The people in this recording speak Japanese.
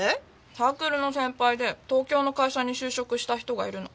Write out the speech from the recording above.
サークルの先輩で東京の会社に就職した人がいるの。